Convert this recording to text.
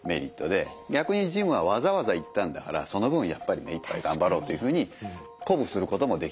逆にジムはわざわざ行ったんだからその分やっぱりめいっぱい頑張ろうっていうふうに鼓舞することもできたりと。